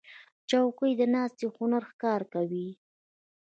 چوکۍ د ناستې هنر ښکاره کوي.